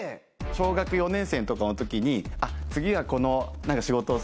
小学４年生とかの時に「あっ次はこの仕事をするんだ」